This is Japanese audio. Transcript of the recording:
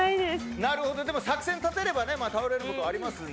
でも作戦を立てれば倒れることもありますので。